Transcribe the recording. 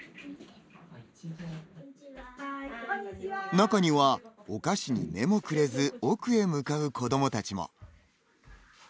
中には、お菓子に目もくれず奥へ向かう子どもたちも。